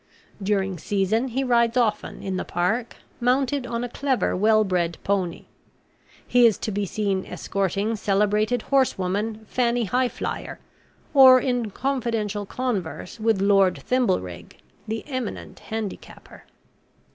During season he rides often in the Park, mounted on a clever well bred pony. He is to be seen escorting celebrated horsewoman, Fanny Highflyer, or in confidential converse with Lord Thimblerig, the eminent handicapper.